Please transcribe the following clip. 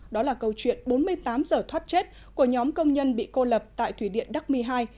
đó là câu chuyện bốn mươi tám giờ thoát chết của nhóm công nhân bị cô lập tại thủy điện đắc mi hai